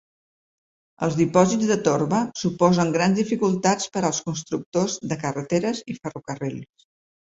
Els dipòsits de torba suposen grans dificultats per als constructors de carreteres i ferrocarrils.